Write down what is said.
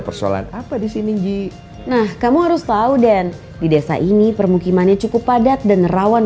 persoalan apa di sini ji nah kamu harus tahu den di desa ini permukimannya cukup padat dan rawan